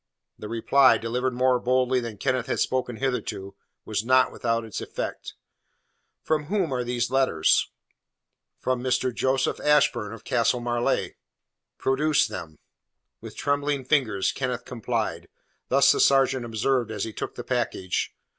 The reply, delivered more boldly than Kenneth had spoken hitherto, was not without its effect. "From whom are these letters?" "From Mr. Joseph Ashburn, of Castle Marleigh." "Produce them." With trembling fingers Kenneth complied. This the sergeant observed as he took the package.